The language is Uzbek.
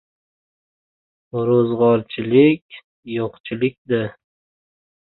Ro‘zg‘orchilik — yo‘qchilik- da!